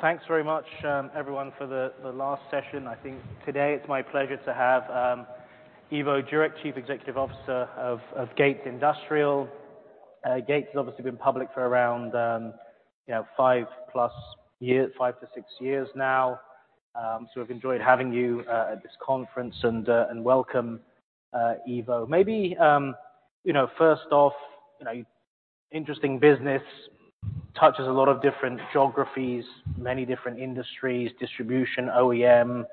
Thanks very much, everyone, for the last session. I think today it's my pleasure to have Ivo Jurek, Chief Executive Officer of Gates Industrial. Gates has obviously been public for around five plus years, five to six years now. I've enjoyed having you at this conference and welcome Ivo. Maybe first off, interesting business touches a lot of different geographies, many different industries, distribution, OEM,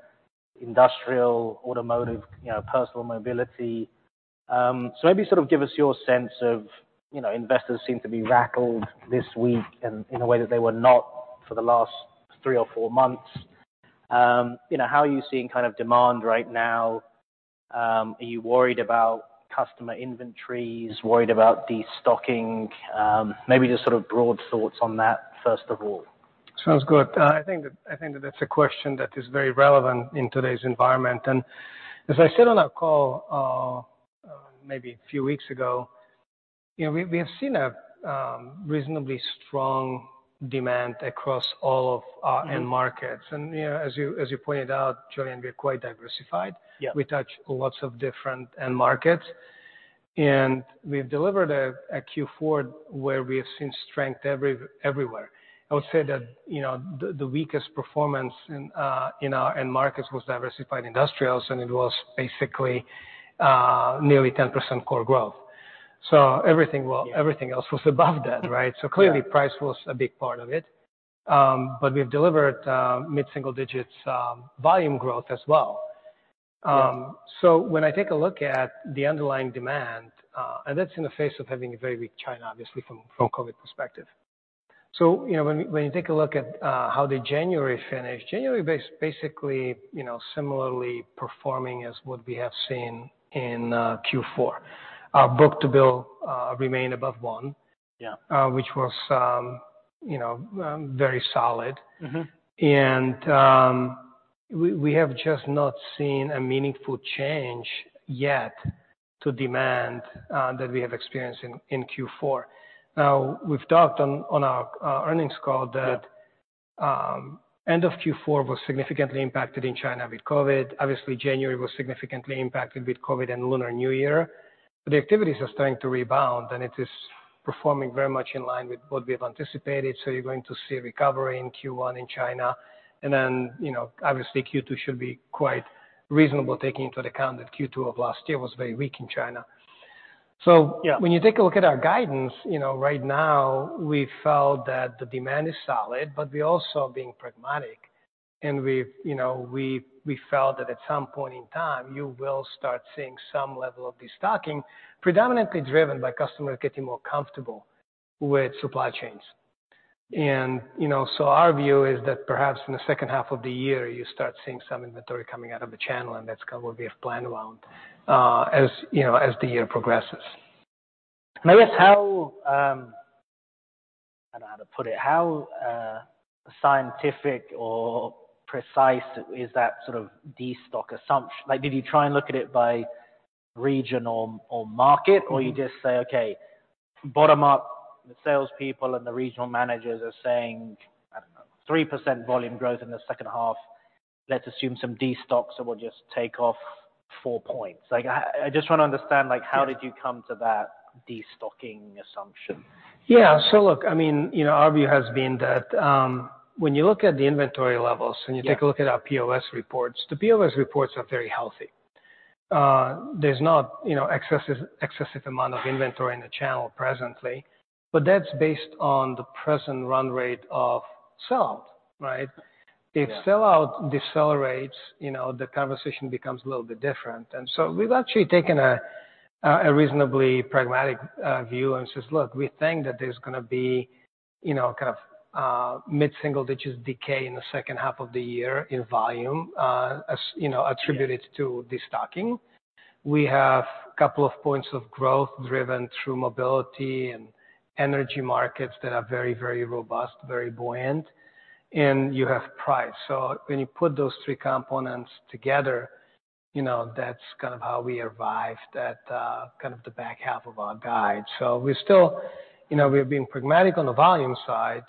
industrial, automotive, personal mobility. Maybe sort of give us your sense of investors seem to be rattled this week in a way that they were not for the last three or four months. How are you seeing kind of demand right now? Are you worried about customer inventories? Worried about destocking? Maybe just sort of broad thoughts on that, first of all. Sounds good. I think that that's a question that is very relevant in today's environment. As I said on our call maybe a few weeks ago, we have seen a reasonably strong demand across all of our end markets. As you pointed out, Julian, we're quite diversified. We touch lots of different end markets. We delivered a Q4 where we have seen strength everywhere. I would say that the weakest performance in our end markets was diversified industrials, and it was basically nearly 10% core growth. Everything else was above that, right? Clearly, price was a big part of it. We delivered mid-single digits volume growth as well. When I take a look at the underlying demand, and that's in the face of having a very weak China, obviously, from a COVID perspective. When you take a look at how did January finish, January basically similarly performing as what we have seen in Q4. Our book to bill remained above one, which was very solid. We have just not seen a meaningful change yet to demand that we have experienced in Q4. We have talked on our earnings call that end of Q4 was significantly impacted in China with COVID. Obviously, January was significantly impacted with COVID and Lunar New Year. The activities are starting to rebound, and it is performing very much in line with what we have anticipated. You are going to see a recovery in Q1 in China. Q2 should be quite reasonable taking into account that Q2 of last year was very weak in China. When you take a look at our guidance, right now, we felt that the demand is solid, but we also are being pragmatic. We felt that at some point in time, you will start seeing some level of destocking, predominantly driven by customers getting more comfortable with supply chains. Our view is that perhaps in the second half of the year, you start seeing some inventory coming out of the channel, and that's kind of what we have planned around as the year progresses. I guess how, I do not know how to put it. How scientific or precise is that sort of destock assumption? Did you try and look at it by region or market, or you just say, "Okay, bottom-up salespeople and the regional managers are saying, I do not know, 3% volume growth in the second half. Let's assume some destocks that will just take off four points." I just want to understand how did you come to that destocking assumption? Yeah. Look, I mean, our view has been that when you look at the inventory levels and you take a look at our POS reports, the POS reports are very healthy. There is not an excessive amount of inventory in the channel presently, but that is based on the present run rate of sellout, right? If sellout decelerates, the conversation becomes a little bit different. We have actually taken a reasonably pragmatic view and say, "Look, we think that there is going to be kind of mid-single digits decay in the second half of the year in volume attributed to destocking. We have a couple of points of growth driven through mobility and energy markets that are very, very robust, very buoyant. You have price." When you put those three components together, that is kind of how we arrived at the back half of our guide. We're still, we're being pragmatic on the volume side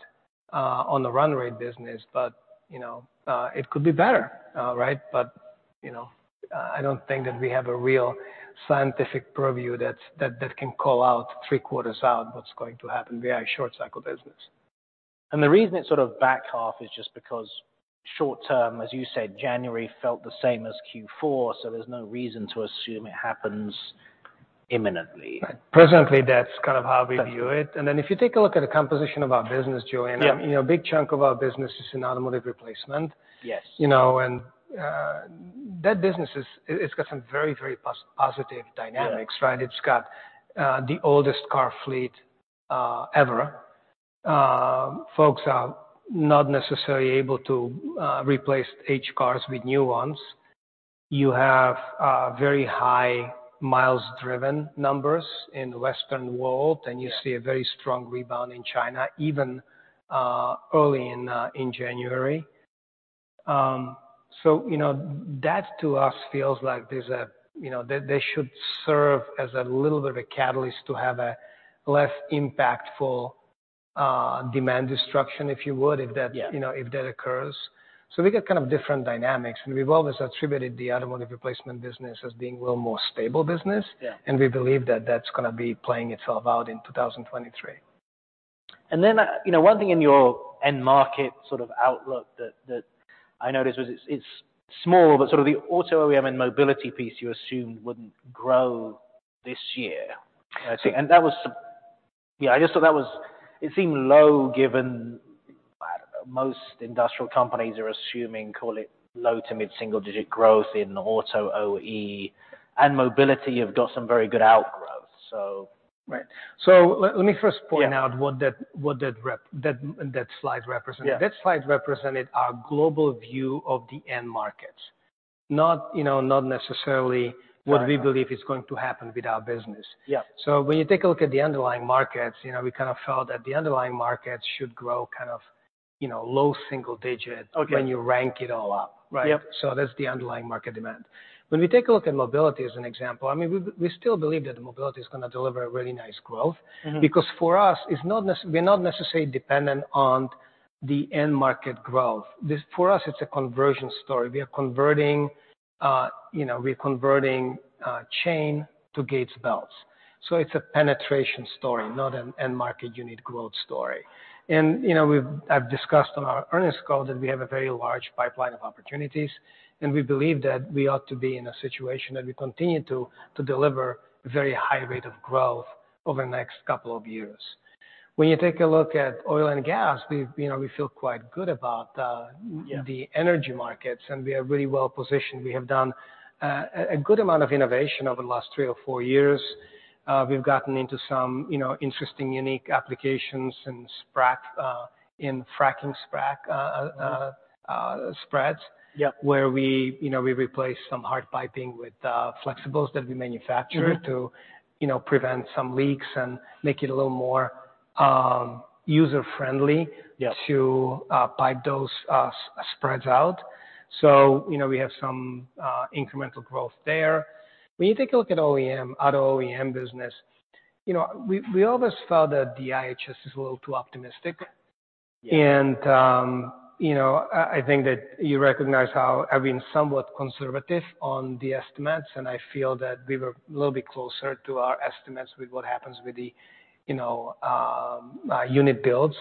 on the run rate business, but it could be better, right? I don't think that we have a real scientific purview that can call out three quarters out what's going to happen with our short cycle business. The reason it's sort of back half is just because short term, as you said, January felt the same as Q4, so there's no reason to assume it happens imminently. Presently, that's kind of how we view it. If you take a look at the composition of our business, Julian, a big chunk of our business is in automotive replacement. That business has got some very, very positive dynamics, right? It's got the oldest car fleet ever. Folks are not necessarily able to replace H cars with new ones. You have very high miles driven numbers in the Western world, and you see a very strong rebound in China even early in January. That to us feels like they should serve as a little bit of a catalyst to have a less impactful demand destruction, if you would, if that occurs. We got kind of different dynamics. We have always attributed the automotive replacement business as being a little more stable business, and we believe that that is going to be playing itself out in 2023. One thing in your end market sort of outlook that I noticed was it's small, but sort of the auto OEM and mobility piece you assumed wouldn't grow this year. That was, yeah, I just thought that was, it seemed low given, I don't know, most industrial companies are assuming, call it low to mid-single digit growth in auto, OE, and mobility have got some very good outgrowth. Right. Let me first point out what that slide represented. That slide represented our global view of the end markets, not necessarily what we believe is going to happen with our business. When you take a look at the underlying markets, we kind of felt that the underlying markets should grow kind of low single-digit when you rank it all up, right? That is the underlying market demand. When we take a look at mobility as an example, I mean, we still believe that mobility is going to deliver a really nice growth because for us, we are not necessarily dependent on the end market growth. For us, it is a conversion story. We are converting, reconverting chain to Gates belts. It is a penetration story, not an end market unit growth story. I've discussed on our earnings call that we have a very large pipeline of opportunities, and we believe that we ought to be in a situation that we continue to deliver a very high rate of growth over the next couple of years. When you take a look at oil and gas, we feel quite good about the energy markets, and we are really well positioned. We have done a good amount of innovation over the last three or four years. We've gotten into some interesting unique applications in fracking spreads where we replace some hard piping with flexibles that we manufacture to prevent some leaks and make it a little more user-friendly to pipe those spreads out. We have some incremental growth there. When you take a look at auto OEM business, we always felt that the IHS is a little too optimistic. I think that you recognize how I've been somewhat conservative on the estimates, and I feel that we were a little bit closer to our estimates with what happens with the unit builds.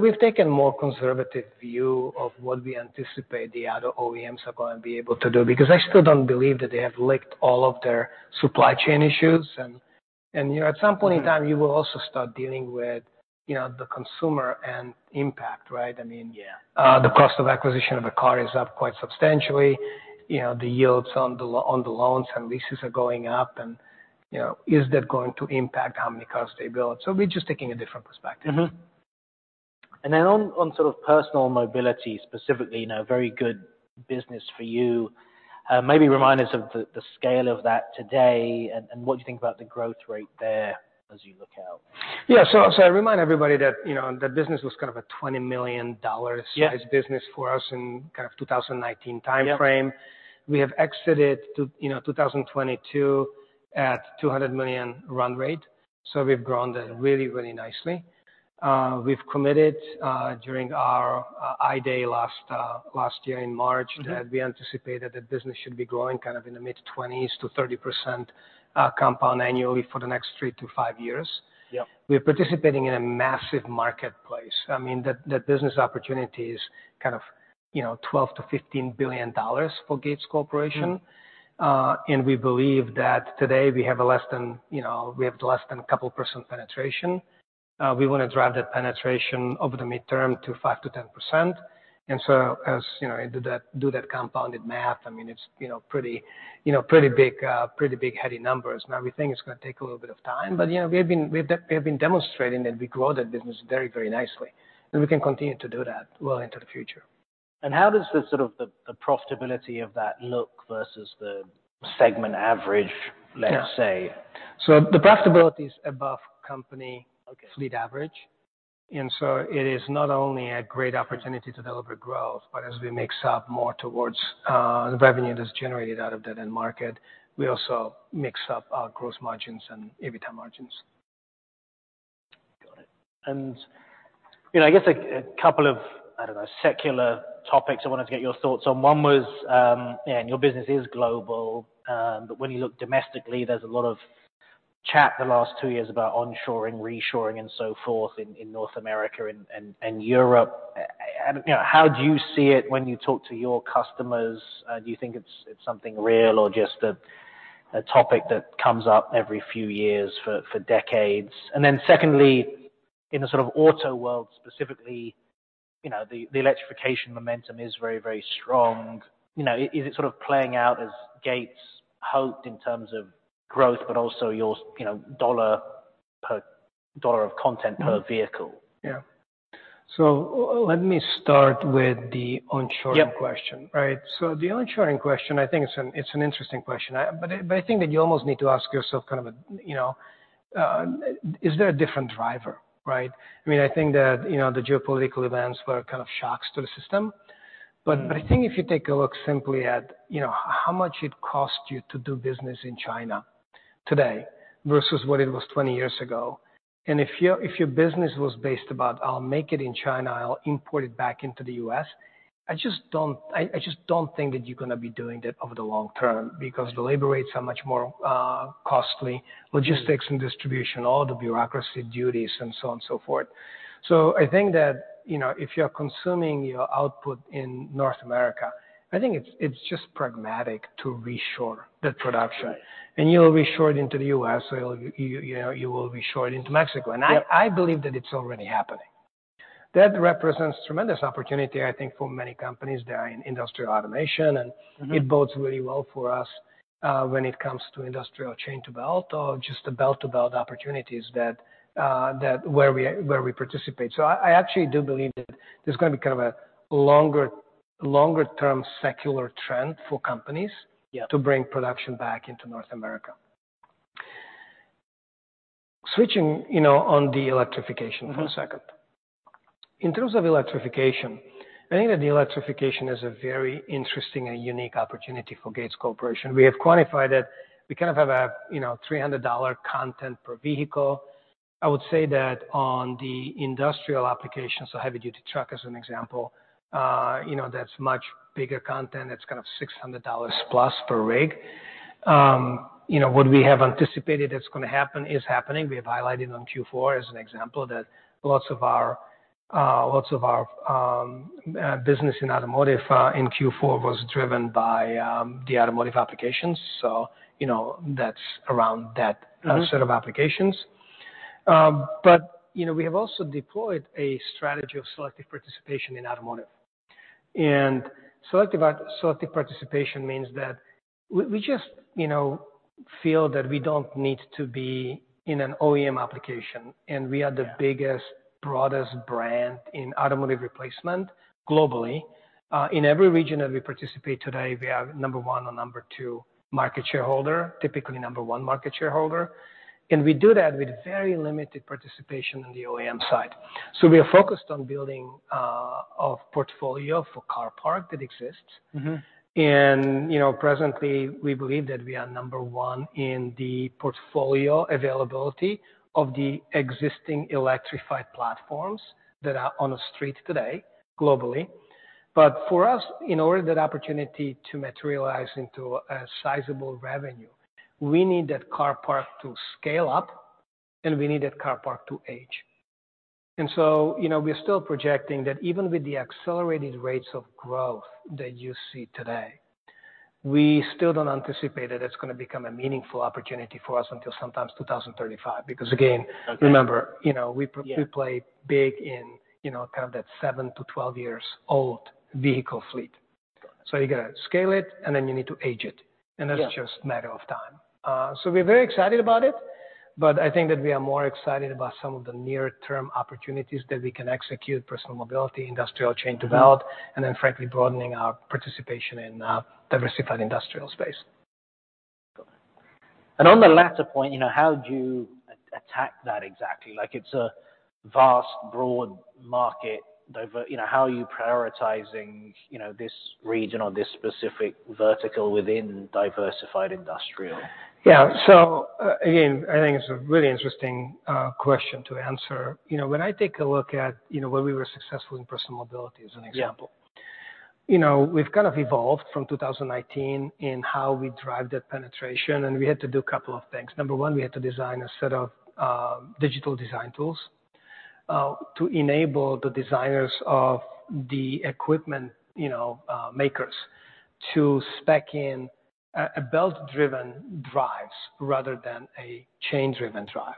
We have taken a more conservative view of what we anticipate the auto OEMs are going to be able to do because I still do not believe that they have licked all of their supply chain issues. At some point in time, you will also start dealing with the consumer and impact, right? I mean, the cost of acquisition of a car is up quite substantially. The yields on the loans and leases are going up, and is that going to impact how many cars they build? We are just taking a different perspective. On sort of personal mobility specifically, very good business for you. Maybe remind us of the scale of that today and what you think about the growth rate there as you look out. Yeah. I remind everybody that the business was kind of a $20 million size business for us in kind of 2019 timeframe. We have exited 2022 at $200 million run rate. We have grown really, really nicely. We have committed during our I-Day last year in March that we anticipated that business should be growing kind of in the mid-20% to 30% compound annually for the next three to five years. We are participating in a massive marketplace. I mean, that business opportunity is kind of $12 billion-$15 billion for Gates Corporation. We believe that today we have less than a couple percent penetration. We want to drive that penetration over the midterm to 5%-10%. As you do that compounded math, I mean, it is pretty big, pretty big heavy numbers. Now, we think it's going to take a little bit of time, but we have been demonstrating that we grow that business very, very nicely. We can continue to do that well into the future. How does sort of the profitability of that look versus the segment average, let's say? The profitability is above company fleet average. It is not only a great opportunity to deliver growth, but as we mix up more towards revenue that's generated out of that end market, we also mix up our gross margins and EBITDA margins. Got it. I guess a couple of, I don't know, secular topics I wanted to get your thoughts on. One was, yeah, your business is global, but when you look domestically, there is a lot of chat the last two years about onshoring, reshoring, and so forth in North America and Europe. How do you see it when you talk to your customers? Do you think it is something real or just a topic that comes up every few years for decades? Secondly, in the sort of auto world specifically, the electrification momentum is very, very strong. Is it sort of playing out as Gates hoped in terms of growth, but also your dollar per dollar of content per vehicle? Yeah. Let me start with the onshoring question, right? The onshoring question, I think it's an interesting question, but I think that you almost need to ask yourself kind of, is there a different driver, right? I mean, I think that the geopolitical events were kind of shocks to the system. I think if you take a look simply at how much it costs you to do business in China today versus what it was 20 years ago, and if your business was based about, "I'll make it in China. I'll import it back into the U.S.," I just don't think that you're going to be doing that over the long term because the labor rates are much more costly, logistics and distribution, all the bureaucracy duties, and so on and so forth. I think that if you're consuming your output in North America, I think it's just pragmatic to reshore that production. You'll reshore it into the U.S., or you will reshore it into Mexico. I believe that it's already happening. That represents tremendous opportunity, I think, for many companies that are in industrial automation. It bodes really well for us when it comes to industrial chain to belt, or just the belt-to-belt opportunities where we participate. I actually do believe that there's going to be kind of a longer-term secular trend for companies to bring production back into North America. Switching on the electrification for a second. In terms of electrification, I think that the electrification is a very interesting and unique opportunity for Gates Corporation. We have quantified that we kind of have a $300 content per vehicle. I would say that on the industrial applications, so heavy-duty truck as an example, that's much bigger content. It's kind of $600+ per rig. What we have anticipated that's going to happen is happening. We have highlighted on Q4 as an example that lots of our business in automotive in Q4 was driven by the automotive applications. That's around that set of applications. We have also deployed a strategy of selective participation in automotive. Selective participation means that we just feel that we don't need to be in an OEM application. We are the biggest, broadest brand in automotive replacement globally. In every region that we participate today, we are number one or number two market shareholder, typically number one market shareholder. We do that with very limited participation on the OEM side. We are focused on building a portfolio for car park that exists. Presently, we believe that we are number one in the portfolio availability of the existing electrified platforms that are on the street today globally. For us, in order for that opportunity to materialize into a sizable revenue, we need that car park to scale up, and we need that car park to age. We are still projecting that even with the accelerated rates of growth that you see today, we still do not anticipate that is going to become a meaningful opportunity for us until sometime in 2035 because, again, remember, we play big in kind of that 7 years-12 years old vehicle fleet. You have to scale it, and then you need to age it. That is just a matter of time. We are very excited about it, but I think that we are more excited about some of the near-term opportunities that we can execute: personal mobility, industrial chain to belt, and then, frankly, broadening our participation in diversified industrial space. On the latter point, how do you attack that exactly? It's a vast, broad market. How are you prioritizing this region or this specific vertical within diversified industrial? Yeah. Again, I think it's a really interesting question to answer. When I take a look at what we were successful in personal mobility as an example, we've kind of evolved from 2019 in how we drive that penetration. We had to do a couple of things. Number one, we had to design a set of digital design tools to enable the designers of the equipment makers to spec in a belt-driven drive rather than a chain-driven drive.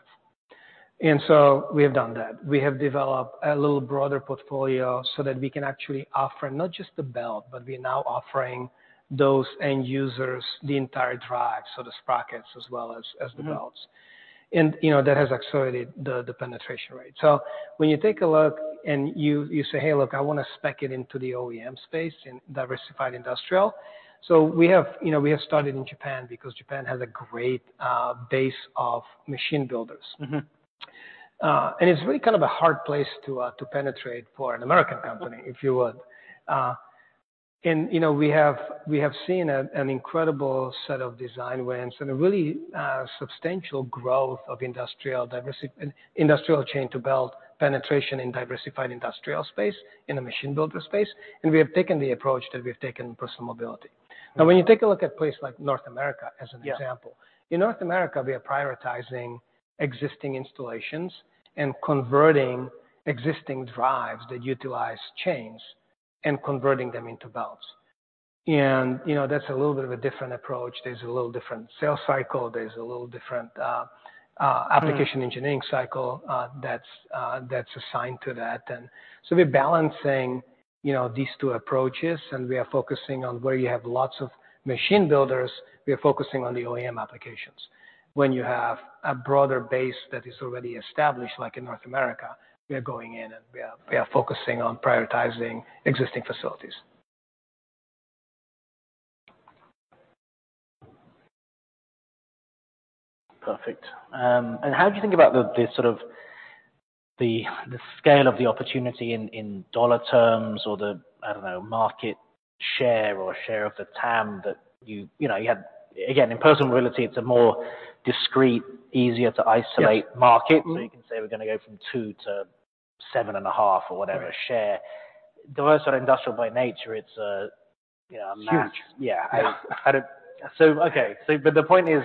We have done that. We have developed a little broader portfolio so that we can actually offer not just the belt, but we are now offering those end users the entire drive, so the sprockets as well as the belts. That has accelerated the penetration rate. When you take a look and you say, "Hey, look, I want to spec it into the OEM space in diversified industrial." We have started in Japan because Japan has a great base of machine builders. It is really kind of a hard place to penetrate for an American company, if you would. We have seen an incredible set of design wins and a really substantial growth of industrial chain to belt penetration in diversified industrial space in a machine builder space. We have taken the approach that we have taken in personal mobility. Now, when you take a look at a place like North America as an example, in North America, we are prioritizing existing installations and converting existing drives that utilize chains and converting them into belts. That is a little bit of a different approach. There is a little different sales cycle. There's a little different application engineering cycle that's assigned to that. We are balancing these two approaches, and we are focusing on where you have lots of machine builders. We are focusing on the OEM applications. When you have a broader base that is already established, like in North America, we are going in, and we are focusing on prioritizing existing facilities. Perfect. How do you think about the sort of the scale of the opportunity in dollar terms or the, I do not know, market share or share of the TAM that you had? Again, in personal mobility, it is a more discreet, easier-to-isolate market. You can say we are going to go from two to seven and half or whatever share. The rest are industrial by nature. It is a mass. Huge. Yeah. Okay. The point is,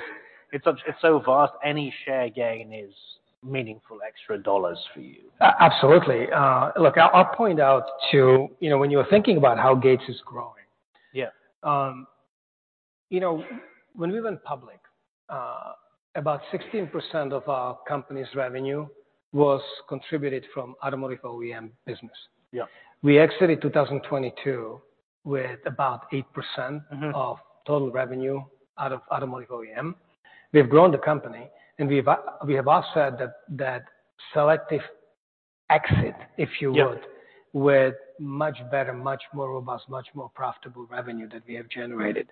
it's so vast, any share gain is meaningful extra dollars for you. Absolutely. Look, I'll point out to when you were thinking about how Gates is growing, when we went public, about 16% of our company's revenue was contributed from automotive OEM business. We exited 2022 with about 8% of total revenue out of automotive OEM. We have grown the company, and we have offset that selective exit, if you would, with much better, much more robust, much more profitable revenue that we have generated.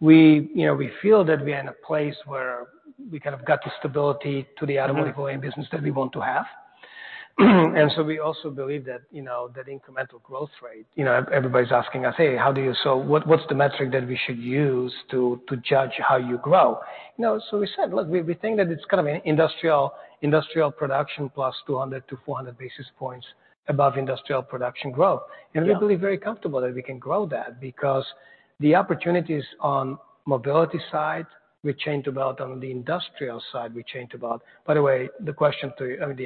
We feel that we are in a place where we kind of got the stability to the automotive OEM business that we want to have. We also believe that that incremental growth rate, everybody's asking us, "Hey, how do you sell? What's the metric that we should use to judge how you grow?" We said, "Look, we think that it's kind of an industrial production plus 200-400 basis points above industrial production growth." We believe very comfortably that we can grow that because the opportunities on the mobility side, we chain to belt, on the industrial side, we chain to belt. By the way, the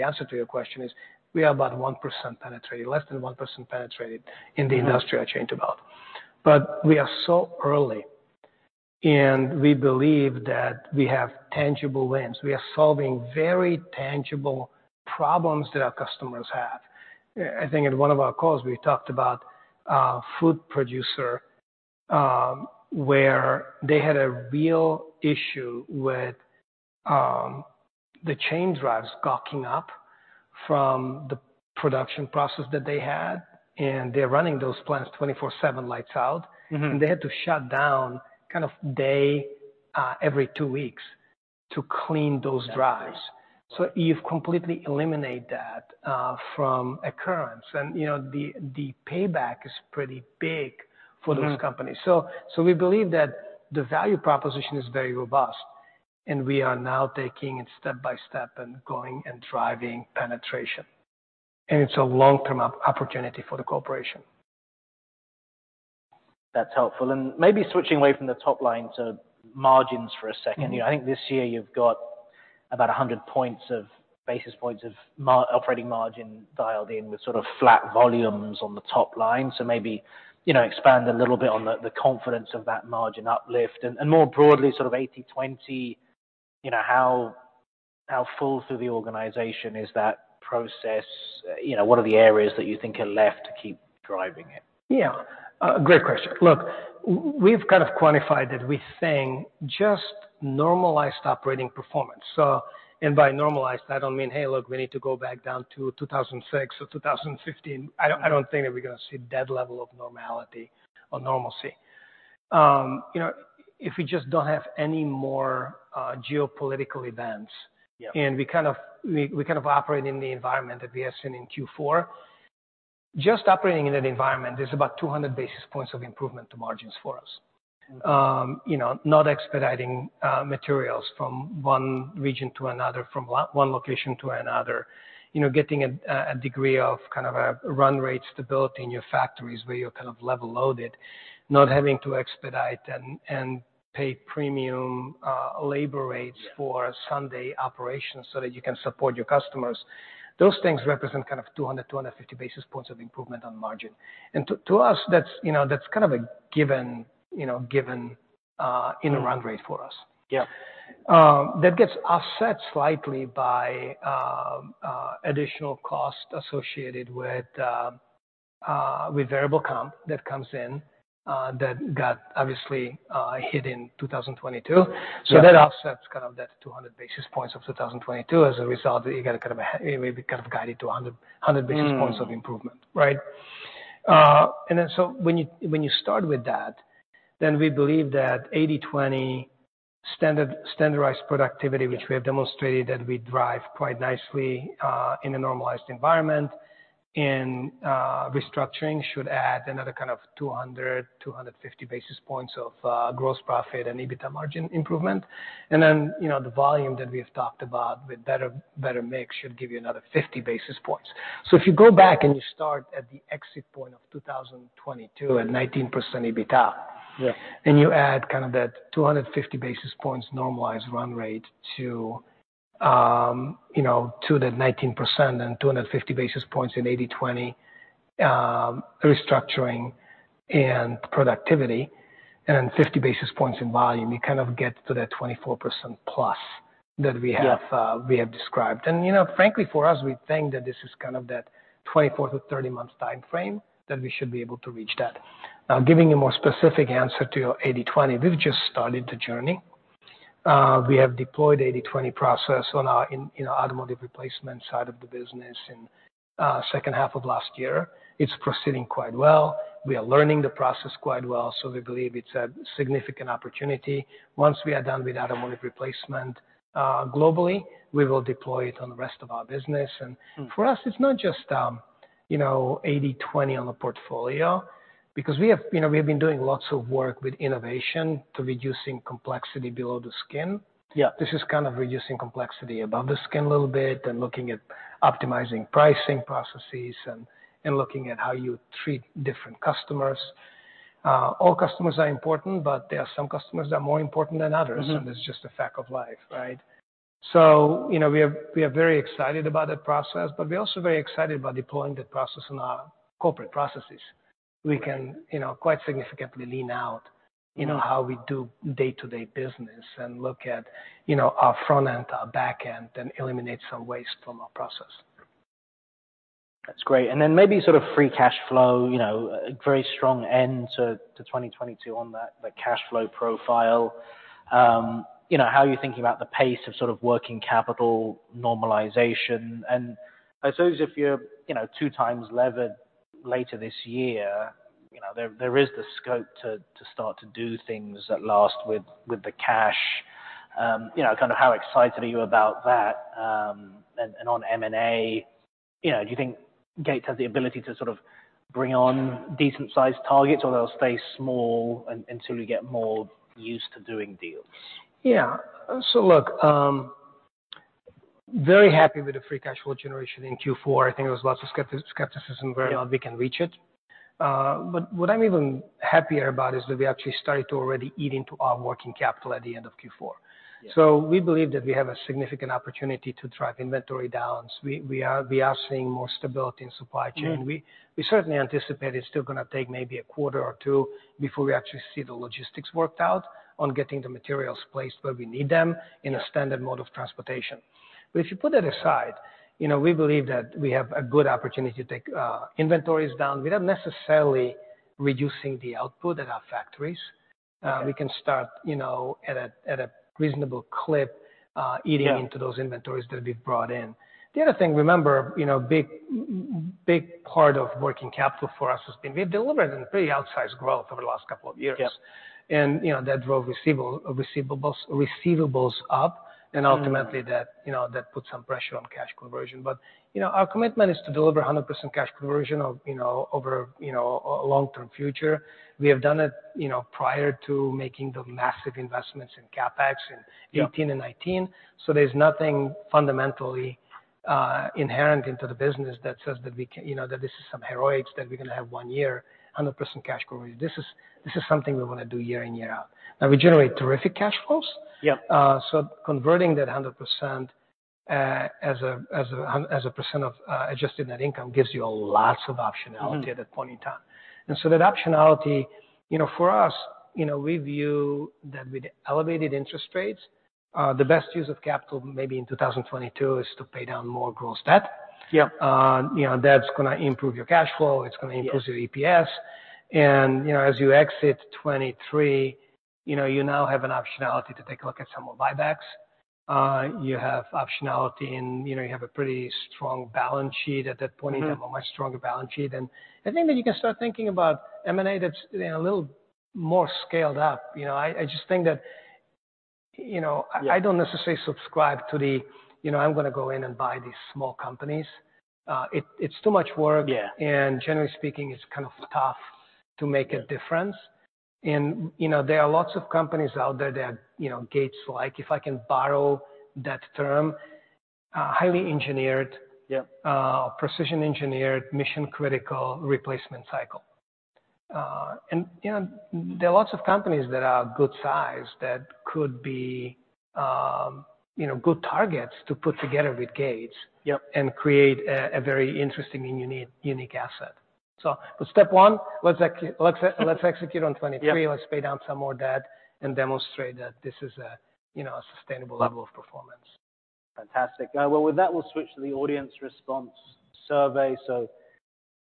answer to your question is we are about 1% penetrated, less than 1% penetrated in the industrial chain to belt. We are so early, and we believe that we have tangible wins. We are solving very tangible problems that our customers have. I think at one of our calls, we talked about a food producer where they had a real issue with the chain drives gawking up from the production process that they had. They are running those plants 24/7, lights out. They had to shut down kind of day every two weeks to clean those drives. You have completely eliminated that from occurrence. The payback is pretty big for those companies. We believe that the value proposition is very robust, and we are now taking it step by step and going and driving penetration. It is a long-term opportunity for the corporation. That's helpful. Maybe switching away from the top line to margins for a second. I think this year you've got about 100 basis points of operating margin dialed in with sort of flat volumes on the top line. Maybe expand a little bit on the confidence of that margin uplift. More broadly, sort of 80/20, how full through the organization is that process? What are the areas that you think are left to keep driving it? Yeah. Great question. Look, we've kind of quantified that we're seeing just normalized operating performance. And by normalized, I don't mean, "Hey, look, we need to go back down to 2006 or 2015." I don't think that we're going to see that level of normality or normalcy. If we just don't have any more geopolitical events and we kind of operate in the environment that we have seen in Q4, just operating in that environment is about 200 basis points of improvement to margins for us. Not expediting materials from one region to another, from one location to another, getting a degree of kind of a run rate stability in your factories where you're kind of level loaded, not having to expedite and pay premium labor rates for Sunday operations so that you can support your customers. Those things represent kind of 200 basis points-250 basis points of improvement on margin. To us, that's kind of a given in a run rate for us. That gets offset slightly by additional cost associated with variable comp that comes in that got obviously hit in 2022. That offsets kind of that 200 basis points of 2022 as a result that you got to kind of maybe guide it to 100 basis points of improvement, right? When you start with that, we believe that 80/20 standardized productivity, which we have demonstrated that we drive quite nicely in a normalized environment, and restructuring should add another kind of 200 basis points-250 basis points of gross profit and EBITDA margin improvement. The volume that we have talked about with better mix should give you another 50 basis points. If you go back and you start at the exit point of 2022 at 19% EBITDA, and you add kind of that 250 basis points normalized run rate to that 19% and 250 basis points in 80/20 restructuring and productivity and 50 basis points in volume, you kind of get to that 24%+ that we have described. Frankly, for us, we think that this is kind of that 24-30 months timeframe that we should be able to reach that. Now, giving you a more specific answer to 80/20, we've just started the journey. We have deployed the 80/20 process on our automotive replacement side of the business in the second half of last year. It's proceeding quite well. We are learning the process quite well. We believe it's a significant opportunity. Once we are done with automotive replacement globally, we will deploy it on the rest of our business. For us, it's not just 80/20 on the portfolio because we have been doing lots of work with innovation to reducing complexity below the skin. This is kind of reducing complexity above the skin a little bit and looking at optimizing pricing processes and looking at how you treat different customers. All customers are important, but there are some customers that are more important than others, and it's just a fact of life, right? We are very excited about that process, but we're also very excited about deploying that process in our corporate processes. We can quite significantly lean out how we do day-to-day business and look at our front end, our back end, and eliminate some waste from our process. That's great. Maybe sort of free cash flow, very strong end to 2022 on that cash flow profile. How are you thinking about the pace of sort of working capital normalization? I suppose if you're two times levered later this year, there is the scope to start to do things at last with the cash. Kind of how excited are you about that? On M&A, do you think Gates has the ability to sort of bring on decent-sized targets, or they'll stay small until you get more used to doing deals? Yeah. So look, very happy with the free cash flow generation in Q4. I think there was lots of skepticism whether or not we can reach it. What I'm even happier about is that we actually started to already eat into our working capital at the end of Q4. We believe that we have a significant opportunity to drive inventory down. We are seeing more stability in supply chain. We certainly anticipate it's still going to take maybe a quarter or two before we actually see the logistics worked out on getting the materials placed where we need them in a standard mode of transportation. If you put that aside, we believe that we have a good opportunity to take inventories down without necessarily reducing the output at our factories. We can start at a reasonable clip eating into those inventories that we've brought in. The other thing, remember, a big part of working capital for us has been we've delivered on pretty outsized growth over the last couple of years. That drove receivables up, and ultimately, that put some pressure on cash conversion. Our commitment is to deliver 100% cash conversion over a long-term future. We have done it prior to making the massive investments in CapEx in 2018 and 2019. There is nothing fundamentally inherent into the business that says that this is some heroics that we're going to have one year, 100% cash conversion. This is something we want to do year in, year out. We generate terrific cash flows. Converting that 100% as a percent of adjusted net income gives you lots of optionality at that point in time. That optionality for us, we view that with elevated interest rates, the best use of capital maybe in 2022 is to pay down more gross debt. That is going to improve your cash flow. It is going to increase your EPS. As you exit 2023, you now have an optionality to take a look at some more buybacks. You have optionality in you have a pretty strong balance sheet at that point in time, a much stronger balance sheet. I think that you can start thinking about M&A that is a little more scaled up. I just think that I do not necessarily subscribe to the, "I am going to go in and buy these small companies." It is too much work. Generally speaking, it is kind of tough to make a difference. There are lots of companies out there that Gates like, if I can borrow that term, highly engineered, precision engineered, mission-critical replacement cycle. There are lots of companies that are good size that could be good targets to put together with Gates and create a very interesting and unique asset. Step one, let's execute on 2023. Let's pay down some more debt and demonstrate that this is a sustainable level of performance. Fantastic. With that, we'll switch to the audience response survey.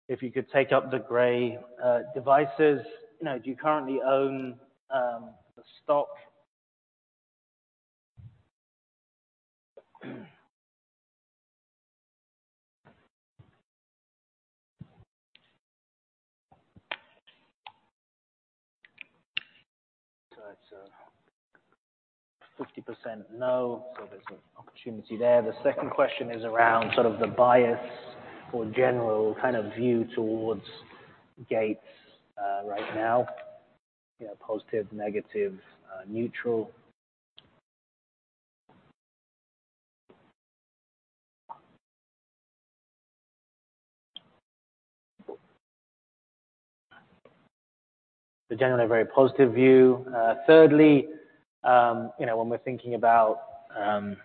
If you could take up the gray devices, do you currently own the stock? That is 50% no. There is an opportunity there. The second question is around sort of the bias or general kind of view towards Gates right now, positive, negative, neutral. Generally a very positive view. Thirdly, when we're thinking about the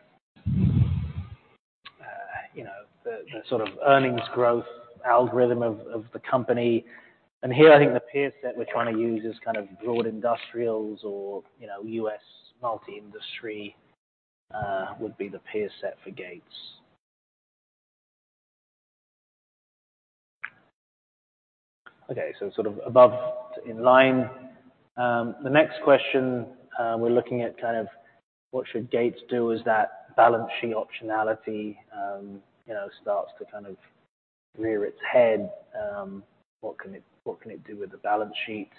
sort of earnings growth algorithm of the company, and here, I think the peer set we're trying to use is kind of broad industrials or U.S. multi-industry would be the peer set for Gates. Okay. Sort of above in line. The next question, we're looking at kind of what should Gates do as that balance sheet optionality starts to kind of rear its head? What can it do with the balance sheet?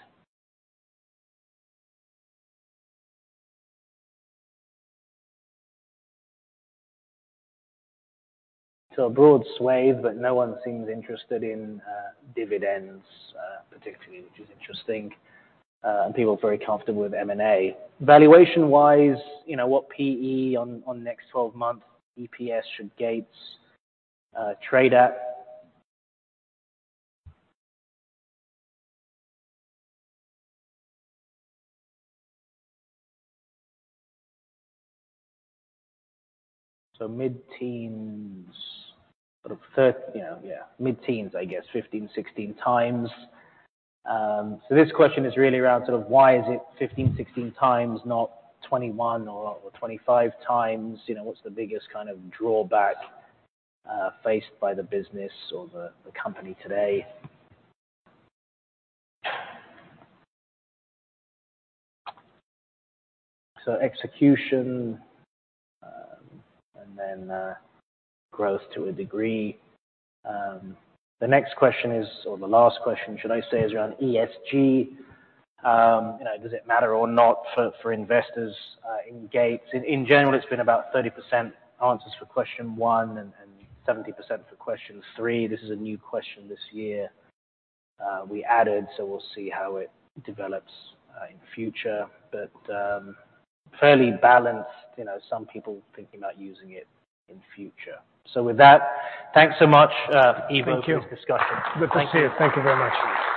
A broad sway, but no one seems interested in dividends, particularly, which is interesting. People are very comfortable with M&A. Valuation-wise, what PE on next 12 months EPS should Gates trade at? Mid-teens, sort of yeah, mid-teens, I guess, 15x-16x. This question is really around sort of why is it 15x-16x, not 21x or 25x? What's the biggest kind of drawback faced by the business or the company today? Execution and then growth to a degree. The next question is, or the last question, should I say, is around ESG. Does it matter or not for investors in Gates? In general, it's been about 30% answers for question one and 70% for question three. This is a new question this year we added, so we'll see how it develops in future. Fairly balanced, some people thinking about using it in future. With that, thanks so much, Ivo, for this discussion. Thank you. Thank you very much.